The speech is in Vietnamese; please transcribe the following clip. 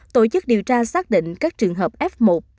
tổ chức điều tra xác định các trường hợp f một